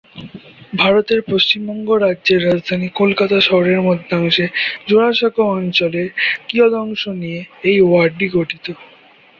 ভারতের পশ্চিমবঙ্গ রাজ্যের রাজধানী কলকাতা শহরের মধ্যাংশে জোড়াসাঁকো অঞ্চলের কিয়দংশ নিয়ে এই ওয়ার্ডটি গঠিত।